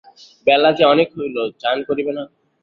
বেলা যে অনেক হইল, চান করিবে না?